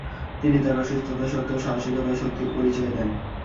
তিনি তার অসুস্থতা সত্ত্বেও সাহসিকতা ও শক্তির পরিচয় দেন।